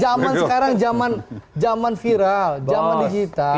zaman sekarang zaman viral zaman digital